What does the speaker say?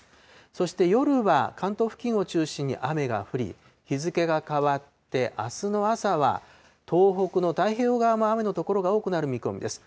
そして夜は関東付近を中心に雨が降り、日付が変わってあすの朝は、東北の太平洋側も雨の所が多くなる見込みです。